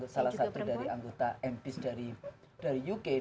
salah satu dari anggota mps dari uk